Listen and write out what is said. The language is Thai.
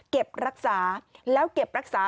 เก็บรักษาแล้วเก็บรักษา